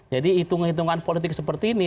jadi hitung hitungan politik seperti ini